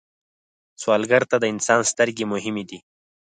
سوالګر ته د انسان سترګې مهمې دي